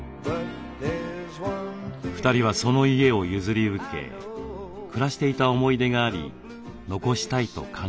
２人はその家を譲り受け暮らしていた思い出があり残したいと考えていました。